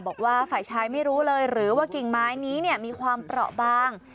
บอกว่าฝ่ายชายไม่รู้เลยหรือว่ากิ่งไม้นี้มีความเปราะบาง